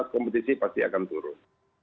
kompetisi pasti akan turun